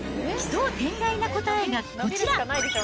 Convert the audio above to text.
奇想天外な答えがこちら。